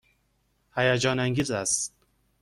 هیجان انگیز است.